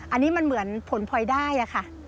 อันนี้มันเหมือนผลพลอยได้ค่ะ